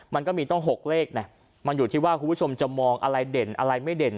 มันก็มีต้อง๖เลขนะมันอยู่ที่ว่าคุณผู้ชมจะมองอะไรเด่นอะไรไม่เด่น